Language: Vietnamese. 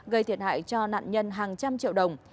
gây thiệt hại cho nạn nhân hàng trăm triệu đồng